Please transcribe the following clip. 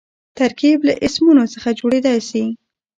ترکیب له اسمونو څخه جوړېدای سي.